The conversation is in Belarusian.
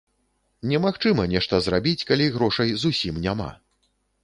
Немагчыма нешта зрабіць, калі грошай зусім няма.